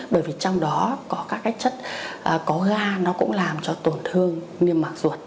bởi vì trong đó có các cái chất có ga nó cũng làm cho tổn thương niêm mạc ruột